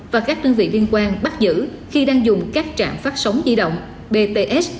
và các đơn vị liên quan bắt giữ khi đang dùng các trạm phát sóng di động bts